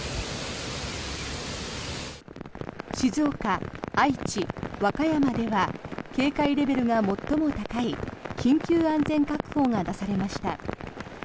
静岡、愛知、和歌山では警戒レベルが最も高い緊急安全確保が出されました。